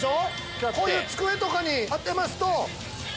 こういう机とかに当てますと。